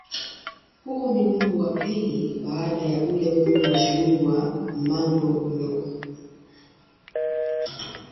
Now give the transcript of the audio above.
Huu ni wimbo wa pili baada ya ule wimbo mashuhuri wa "Mambo No.